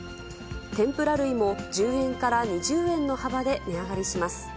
天ぷら類も１０円から２０円の幅で値上がりします。